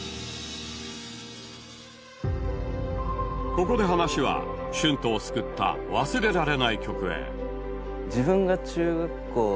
ここで話は ＳＨＵＮＴＯ を救った忘れられない曲へ